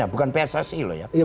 bukan pssi loh ya